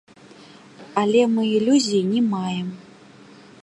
Але мы ілюзій не маем.